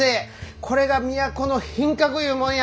これが都の品格いうもんや。